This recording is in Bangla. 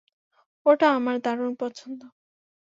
ওটা আমার দারুণ পছন্দ!